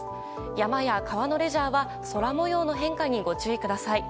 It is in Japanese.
山や川のレジャーは空模様の変化にご注意ください。